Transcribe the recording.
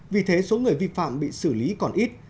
vì thế số người vi phạm bị xử lý còn ít